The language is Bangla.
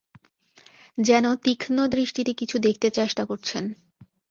যেন তীক্ষ্ণ দৃষ্টিতে কিছু দেখতে চেষ্টা করছেন।